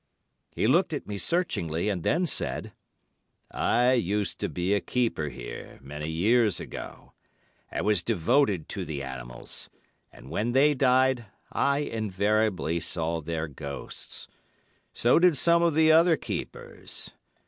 He looked at me searchingly, and then said: "I used to be a keeper here many years ago. I was devoted to the animals, and when they died, I invariably saw their ghosts. So did some of the other keepers.